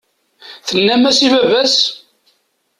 Tennam-as i baba-s?